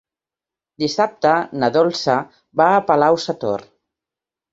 Dissabte na Dolça va a Palau-sator.